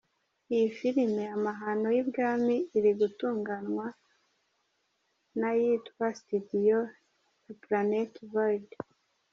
Iyi filimi "Amahano y’i Bwami" iri gutunganywa na yitwa Studio ya Planet Vide.